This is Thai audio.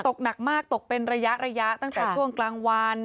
ตกหนักมากตกเป็นระยะระยะตั้งแต่ช่วงกลางวัน